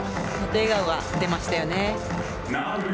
笑顔が出ましたよね。